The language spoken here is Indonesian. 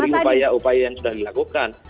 dari upaya upaya yang sudah dilakukan